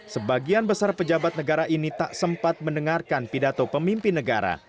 sebagian besar pejabat negara ini tak sempat mendengarkan pidato pemimpin negara